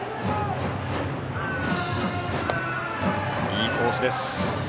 いいコースでした。